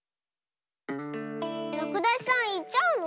らくだしさんいっちゃうの？